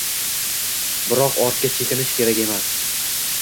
biroq ortga chekinish kerak emas.